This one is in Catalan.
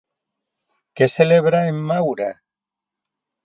Què celebra en Maura?